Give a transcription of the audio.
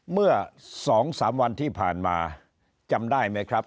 เมื่อ๒๓วันที่ผ่านมาจำได้ไหมครับ